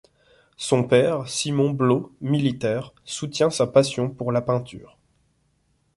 Son père Simon Blau, militaire, soutient sa passion pour la peinture.